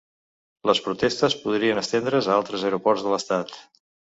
Les protestes podrien estendre’s a altres aeroports de l’estat.